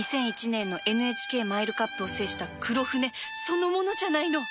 ２００１年の ＮＨＫ マイルカップを制したクロフネそのものじゃないの